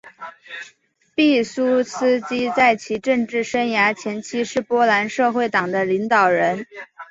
毕苏斯基在其政治生涯前期是波兰社会党的领导人。